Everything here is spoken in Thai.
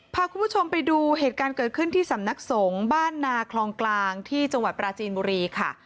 พาคุณผู้ชมไปดูเหตุการณ์เกิดขึ้นที่สำนักสงฆ์บ้านนาคลองกลางที่จังหวัดปราจีนบุรีค่ะ